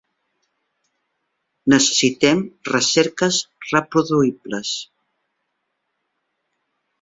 Necessitem recerques reproduïbles.